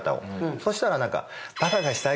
そしたらなんか。